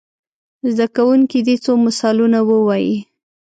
زده کوونکي دې څو مثالونه ووايي.